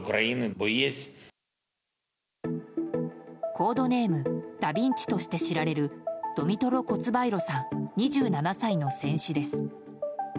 コードネーム、ダ・ヴィンチとして知られるドミトロ・コツバイロさん２７歳の死亡です。